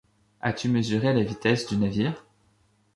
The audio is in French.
As-tu mesuré la vitesse du navire?